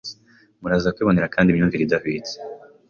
Muraza kwibonera kandi imyumvire idahwitse